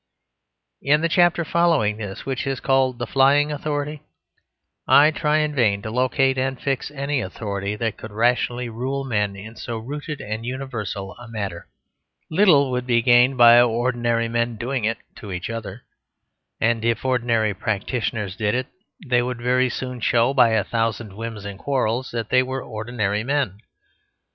In the chapter following this, which is called "The Flying Authority," I try in vain to locate and fix any authority that could rationally rule men in so rooted and universal a matter; little would be gained by ordinary men doing it to each other; and if ordinary practitioners did it they would very soon show, by a thousand whims and quarrels, that they were ordinary men.